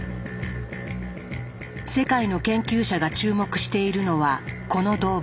世界の研究者が注目しているのはこの動物。